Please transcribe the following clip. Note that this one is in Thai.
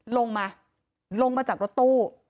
ลงมาลงมาจากรถตู้